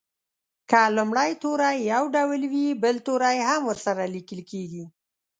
که لومړی توری یو ډول وي بل توری هم ورسره لیکل کیږي.